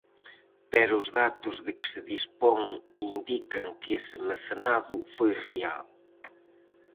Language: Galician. Pero os datos de que se dispón indican que ese mecenado foi real.